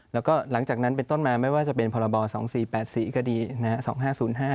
แล้วก็หลังจากนั้นเป็นต้นมาไม่ว่าจะเป็นพรบ๒๔๘๔ก็ดีนะครับ